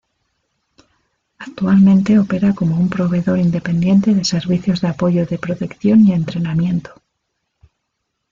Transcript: Actualmente opera como un proveedor independiente de servicios de apoyo de protección y entrenamiento.